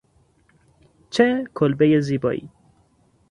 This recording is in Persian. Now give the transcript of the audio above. چه کلبهی زیبایی!